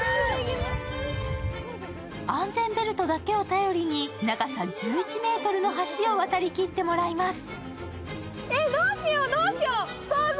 安全ベルトだけを頼りに長さ１１ｍの橋を渡りきってもらいます。